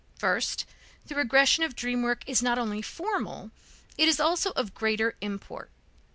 First: the regression of dream work is not only formal, it is also of greater import.